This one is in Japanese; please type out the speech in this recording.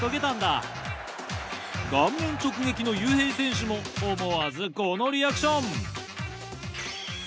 顔面直撃の雄平選手も思わずこのリアクション。